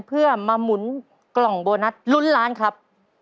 เพื่อมาหมุนกล่องโบนัสลุ้นล้านครับ